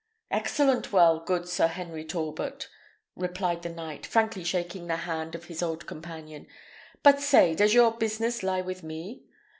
"Excellent well, good Sir Henry Talbot," replied the knight, frankly shaking the hand of his old companion. "But say, does your business lie with me?"